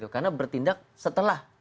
karena bertindak setelah